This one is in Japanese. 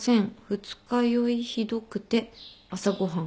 二日酔いひどくて朝ごはん